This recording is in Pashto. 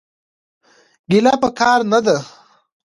ګيله پکار نه ده.